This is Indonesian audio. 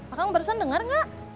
akang barusan dengar gak